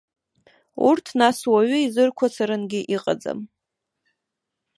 Урҭ нас уаҩы изырқәацарангьы иҟаӡам.